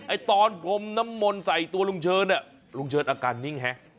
ตอนพรมน้ำมนต์ใส่ตัวลุงเชิญเนี่ยลุงเชิญอาการนิ่งฮะ